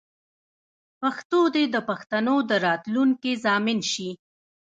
پښتو دې د پښتنو د راتلونکې ضامن شي.